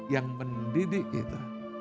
yang mendidik kita